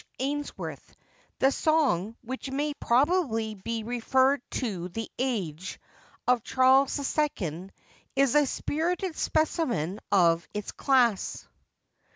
Ainsworth. The song, which may probably be referred to the age of Charles II., is a spirited specimen of its class.